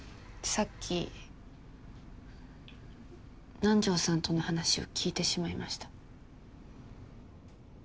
さっき南条さんとの話を聞いてしまいました。